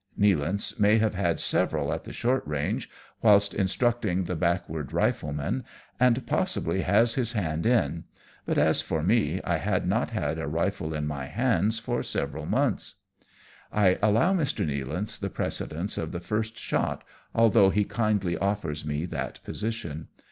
Nealance may have had several at the short range whilst instructing the backward riflemen, and possibly has his hand in ; but as for me, I had not had a rifle in my hands for several months. I allow Mr. Nealance the precedence of the first shot, although he kindly offers me that position.